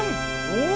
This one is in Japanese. お！